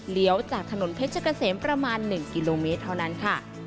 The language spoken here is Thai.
จากถนนเพชรเกษมประมาณ๑กิโลเมตรเท่านั้นค่ะ